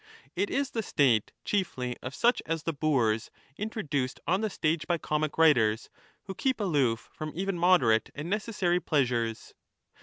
It is the state chiefly of such as the boors introduced on the stage by comic writers, who keep aloof from even moderate and necessary pleasures.